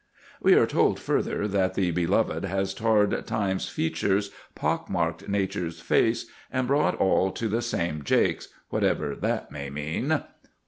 We are told, further, that the Beloved has tarred Time's features, pock marked Nature's face, and "brought all to the same jakes," whatever that may mean.